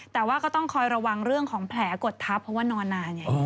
แต่ว่าก็ต้องคอยระวังเรื่องของแผลกดทับเพราะว่านอนนานไง